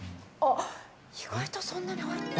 意外とそんなに入ってない。